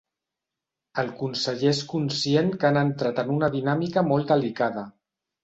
El conseller és conscient que han entrat en una dinàmica molt delicada.